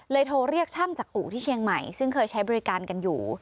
โทรเรียกช่างจากอู่ที่เชียงใหม่ซึ่งเคยใช้บริการกันอยู่